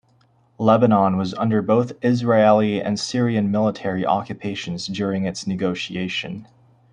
Lebanon was under both Israeli and Syrian military occupations during its negotiation.